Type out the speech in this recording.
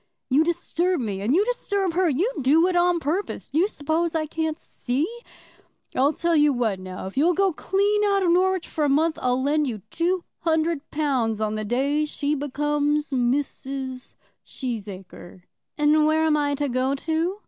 "You disturb me, and you disturb her. You do it on purpose. Do you suppose I can't see? I'll tell you what, now; if you'll go clean out of Norwich for a month, I'll lend you two hundred pounds on the day she becomes Mrs. Cheesacre." "And where am I to go to?"